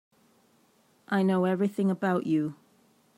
I know everything about you.